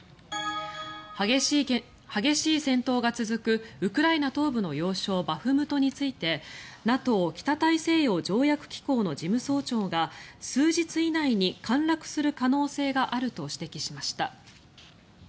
激しい戦闘が続くウクライナ東部の要衝バフムトについてＮＡＴＯ・北大西洋条約機構の事務総長が数日以内に陥落する可能性があると指摘しました。